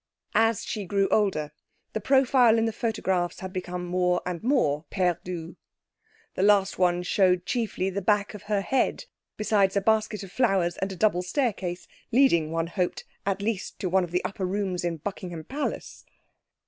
As she grew older, the profile in the photographs had become more and more perdu; the last one showed chiefly the back of her head, besides a basket of flowers, and a double staircase, leading (one hoped) at least to one of the upper rooms in Buckingham Palace.